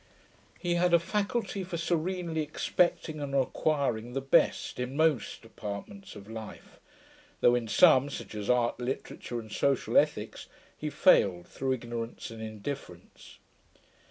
He had a faculty for serenely expecting and acquiring the best, in most departments of life, though in some (such as art, literature, and social ethics) he failed through ignorance and indifference.